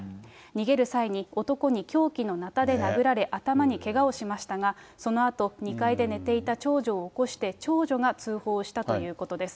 逃げる際に、男に凶器のなたで殴られ、頭にけがをしましたが、そのあと、２階で寝ていた長女を起こして、長女が通報したということです。